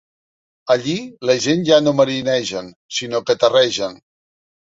Allí la gent ja no marinegen, sinó que terregen.